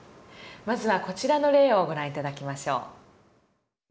まずはこちらの例をご覧頂きましょう。